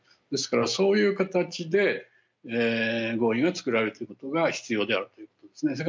ですからそういう形で合意が作られるということが必要であるということですね。